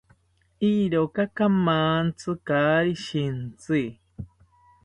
Iroka kamantzi kaari shintzi